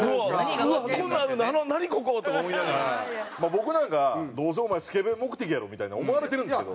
僕なんか「どうせお前スケベ目的やろ？」みたいに思われてるんですけど。